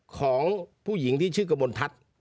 ของผู้หญิงที่ชื่อกระบวนทัศน์